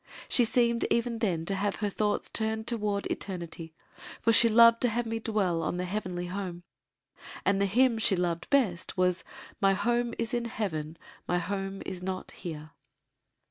She seemed even then to have her thoughts turned toward Eternity for she loved to have me dwell on the Heavenly Home, and the hymn she loved best was: "My home is in Heaven, my home is not here."